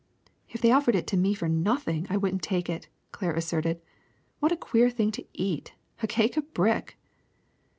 If they offered it to me for nothing I wouldn't take it," Claire asserted. *^What a queer thing to eat — a cake of brick